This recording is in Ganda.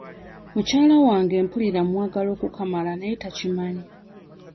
Mukyala wange mpulira mwagala okukamala naye takimanyi.